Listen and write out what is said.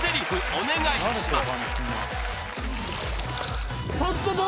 お願いします